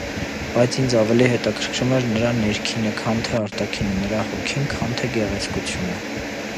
Բայց ինձ ավելի հետաքրքրում էր նրա ներքինը, քան թե արտաքինը, նրա հոգին, քան թե գեղեցկությունը: